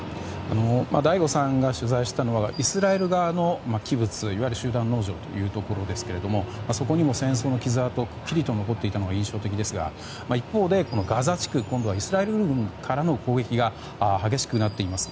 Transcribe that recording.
醍醐さんが取材したのはイスラエル側のキブツいわゆる集団農場というところですけどそこにも戦争の傷跡がはっきり残っていたのが印象的ですが一方でガザ地区イスラエル軍からの攻撃が激しくなっています。